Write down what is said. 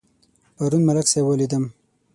پرون ملک صاحب ولیدم.